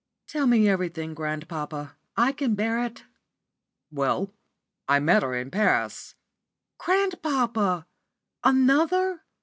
"Tell me everything, grandpapa. I can bear it." "Well, I met her in Paris." "Grandpapa! Another?"